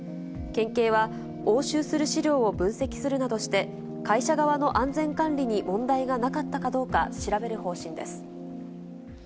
県警は、押収する資料を分析するなどして、会社側の安全管理に問題がなかったかどうか調べる方針です。